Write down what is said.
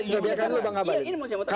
ini yang saya mau terangkan